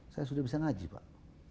saya sudah bisa ngaji pak